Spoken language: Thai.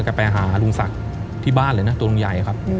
ก็ไปหาลุงศักดิ์ที่บ้านเลยนะตัวลุงใหญ่ครับ